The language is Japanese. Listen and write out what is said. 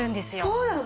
そうなの！